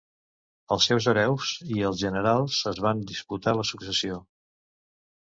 Els seus hereus i els generals es van disputar la successió.